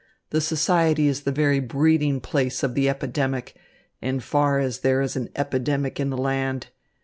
The society is the very breeding place of the epidemic, in so far as there is an epidemic in the land.